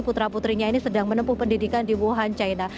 putra putrinya ini sedang menempuh pendidikan di wuhan china